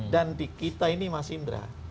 dan di kita ini mas indra